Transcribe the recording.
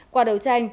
quả đầu tranh